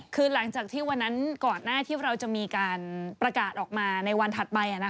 คือหลังจากที่วันนั้นก่อนหน้าที่เราจะมีการประกาศออกมาในวันถัดไป